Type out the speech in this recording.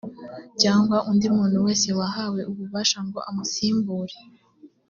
cyangwa undi muntu wese wahawe ububasha ngo amusimbure